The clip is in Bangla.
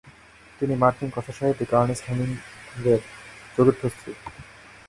তিনি মার্কিন কথাসাহিত্যিক আর্নেস্ট হেমিংওয়ের চতুর্থ স্ত্রী।